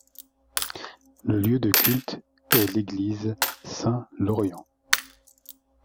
Le lieu de culte est l'église Saint-Laurian.